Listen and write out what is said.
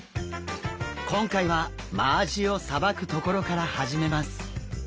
今回はマアジをさばくところから始めます。